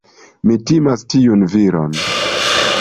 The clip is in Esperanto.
Mi timas tiun viron.